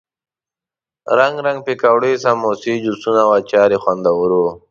رنګه رنګه پکوړې، سموسې، جوسونه او اچار یې خوندور وو.